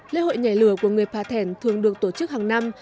lễ hội nhảy lửa của người pà thèn thường được tổ chức hàng năm